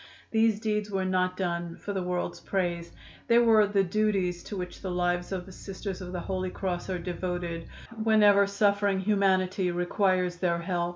These deeds were not done for the world's praise; they were the duties to which the lives of the Sisters of the Holy Cross are devoted, whenever suffering humanity requires their help.